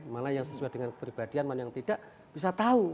malah yang sesuai dengan pribadian malah yang tidak bisa tahu